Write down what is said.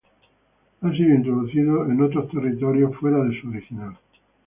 Ha sido introducido en otros territorios fuera de su original.